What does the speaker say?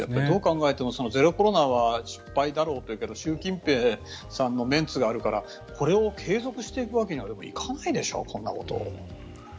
どう考えてもゼロコロナは失敗だろうというけど習近平さんのメンツがあるからこれを継続していくわけにはいかないでしょう、こんなこと。